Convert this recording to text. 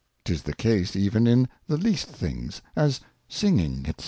■'TIS the case even in the least things, as singing, SfC.